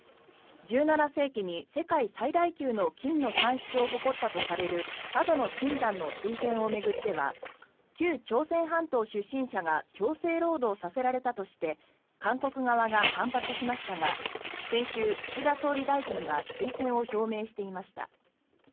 １７世紀に世界最大級の金の産出を誇ったとされる佐渡島の金山の推薦を巡っては旧朝鮮半島出身者が強制労働させられたとして韓国側が反発しましたが先週、岸田総理大臣が推薦を表明していました。